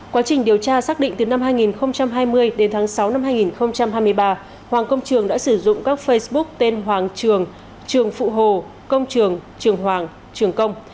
quá trình điều tra xác định từ năm hai nghìn hai mươi đến tháng sáu năm hai nghìn hai mươi ba hoàng công trường đã sử dụng các facebook tên hoàng trường trường phụ hồ công trường trường hoàng trường công